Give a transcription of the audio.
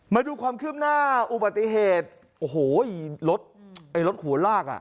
มาดูความคืบหน้าอุบัติเหตุโอ้โหรถไอ้รถหัวลากอ่ะ